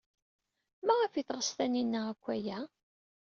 Maɣef ay teɣs Taninna akk aya?